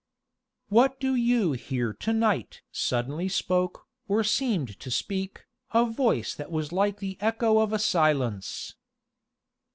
"What do you here to night?" suddenly spoke, or seemed to speak, a voice that was like the echo of a silence.